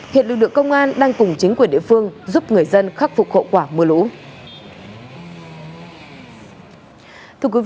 hiện lực lượng công an đang cùng chính quyền địa phương giúp người dân khắc phục hậu quả mưa lũ